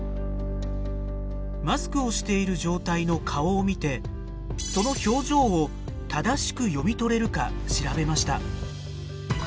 マスクをしている状態の顔を見てその表情を正しく読み取れるか調べました。